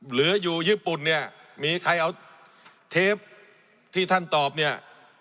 หรืออยู่ญี่ปุ่นเนี่ยมีใครเอาเทปที่ท่านตอบเนี่ย